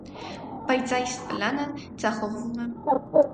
Բայց այս պլանը ձախողվում է։